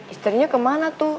istrinya kemana tuh